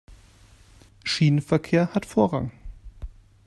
Schienenverkehr hat Vorrang.